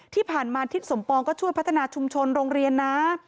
ที่ผ่านมาทิศสมปองก็ช่วยพัฒนาชุมชนโรงเรียนนะ